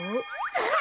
あっ！